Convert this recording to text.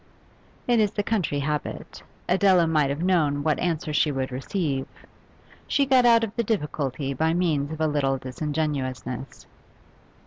It is the country habit; Adela might have known what answer she would receive. She got out of the difficulty by means of a little disingenuousness.